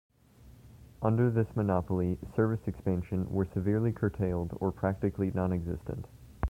Under this monopoly, service expansion were severely curtailed or practically nonexistent.